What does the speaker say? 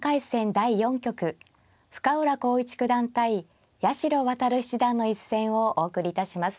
第４局深浦康市九段対八代弥七段の一戦をお送りいたします。